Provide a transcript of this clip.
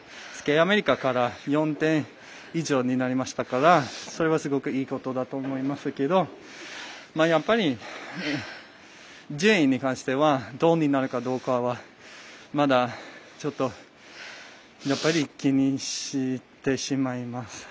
アメリカから４点以上になりましたからそれはすごくいいことだと思いますけどやっぱり、順位に関しては銅になるかどうかはまだ、ちょっとやっぱり気にしてしまいます。